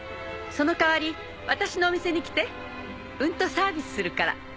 その代わり私のお店に来てうんとサービスするから。